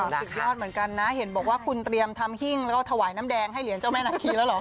สุดยอดเหมือนกันนะเห็นบอกว่าคุณเตรียมทำหิ้งแล้วก็ถวายน้ำแดงให้เหรียญเจ้าแม่นาคีแล้วเหรอ